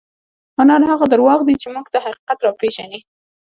هنر هغه درواغ دي چې موږ ته حقیقت راپېژني.